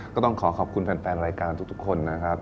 ก็ต้องขอขอบคุณแฟนรายการทุกคนนะครับ